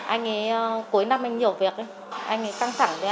anh ấy cuối năm anh nhiều việc anh ấy căng thẳng lên